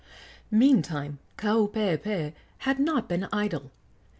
Meantime Kaupeepee had not been idle.